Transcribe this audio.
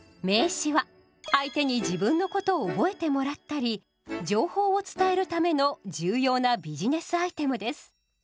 名刺は相手に自分のことを覚えてもらったり情報を伝えるための重要なビジネスアイテムです。